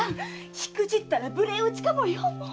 しくじったら無礼討ちかもよ！